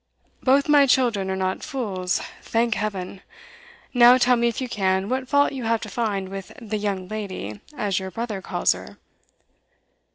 'Both my children are not fools, thank Heaven! Now tell me, if you can, what fault you have to find with the "young lady," as your brother calls her?